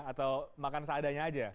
atau makan seadanya aja